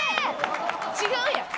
違うやん！